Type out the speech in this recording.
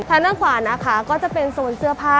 ทางด้านขวานะคะก็จะเป็นโซนเสื้อผ้า